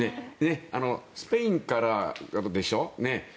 スペインからでしょ。